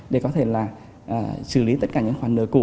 để có thể là xử lý tất cả những khoản nợ cũ